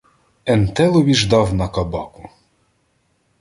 Ентеллові ж дав на кабаку